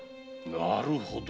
なるほど。